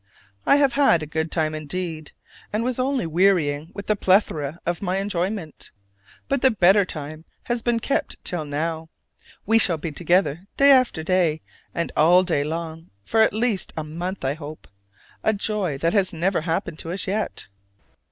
I have had a good time indeed, and was only wearying with the plethora of my enjoyment: but the better time has been kept till now. We shall be together day after day and all day long for at least a month, I hope: a joy that has never happened to us yet.